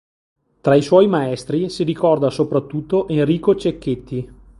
Tra i suoi maestri si ricorda soprattutto Enrico Cecchetti.